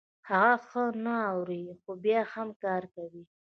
هغه ښه نه اوري خو بيا هم کار کوي.